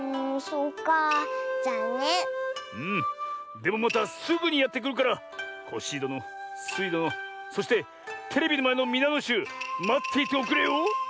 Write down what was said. でもまたすぐにやってくるからコッシーどのスイどのそしてテレビのまえのみなのしゅうまっていておくれよ。